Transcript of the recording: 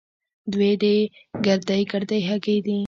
دوې دې ګردۍ ګردۍ هګۍ دي.